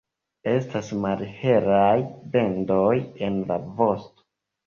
Estas malhelaj bendoj en la vosto.